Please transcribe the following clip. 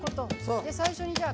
最初にじゃあ